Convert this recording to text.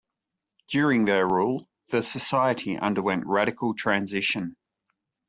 During their rule, the society underwent radical transition.